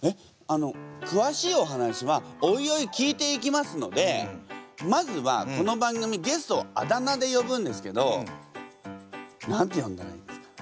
あのくわしいお話はおいおい聞いていきますのでまずはこの番組ゲストをあだ名で呼ぶんですけど何て呼んだらいいですか？